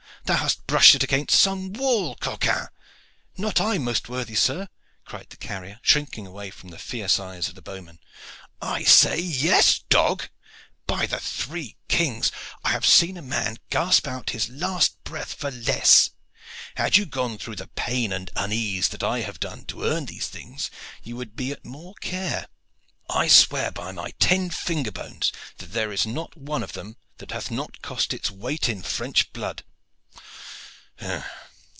Thou hast brushed it against some wall, coquin!" "Not I, most worthy sir," cried the carrier, shrinking away from the fierce eyes of the bowman. "I say yes, dog! By the three kings! I have seen a man gasp out his last breath for less. Had you gone through the pain and unease that I have done to earn these things you would be at more care. I swear by my ten finger bones that there is not one of them that hath not cost its weight in French blood!